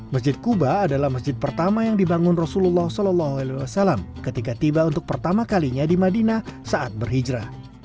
masjid kuba adalah masjid pertama yang dibangun rasulullah saw ketika tiba untuk pertama kalinya di madinah saat berhijrah